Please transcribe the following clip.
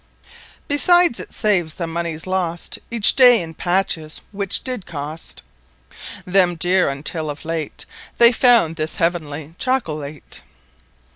Besides, it saves the Moneys lost Each day in Patches, which did cost Them deare, untill of Late They found this Heavenly Chocolate.